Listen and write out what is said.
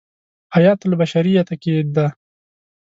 حیاة البشریة کې دی.